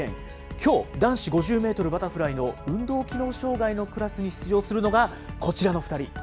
きょう、男子５０メートルバタフライの運動機能障害のクラスに出場するのが、こちらの２人。